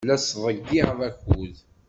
La ttḍeyyiɛeɣ akud.